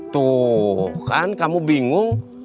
tuh kan kamu bingung